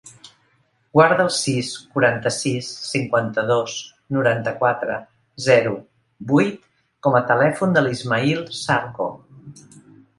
Guarda el sis, quaranta-sis, cinquanta-dos, noranta-quatre, zero, vuit com a telèfon de l'Ismaïl Zarco.